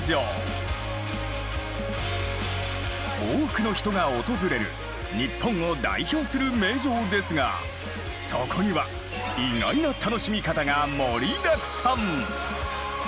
多くの人が訪れる日本を代表する名城ですがそこには意外な楽しみ方が盛りだくさん！